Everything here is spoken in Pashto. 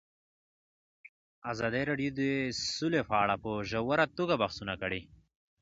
ازادي راډیو د سوله په اړه په ژوره توګه بحثونه کړي.